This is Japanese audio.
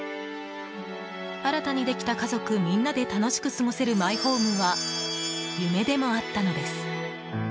新たにできた、家族みんなで楽しく過ごせるマイホームは夢でもあったのです。